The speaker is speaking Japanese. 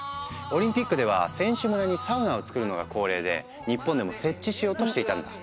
オリンピックでは選手村にサウナを作るのが恒例で日本でも設置しようとしていたんだ。